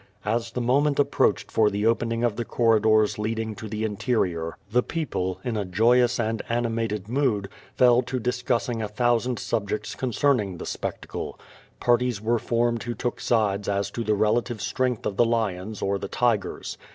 As the moment approached for the open ♦ ing of the corridors leading to the interior, the people, in a f joyous and animated mood, fell to discussing a thousand sub jects concerning the spectacle. Parties were formed who took sides as to the relative strength of the lions or the <. tigers.